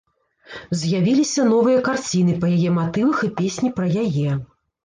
З'явіліся новыя карціны па яе матывах і песні пра яе.